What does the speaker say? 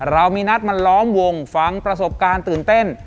เรามีนัดมาล้อมวงฟังประสบการณ์ตื่นเต้น